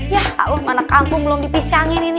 ya allah mana kangkung belum dipisangin ini